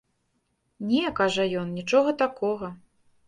Не, кажа ён, нічога такога.